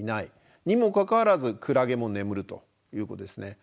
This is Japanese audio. にもかかわらずクラゲも眠るということですね。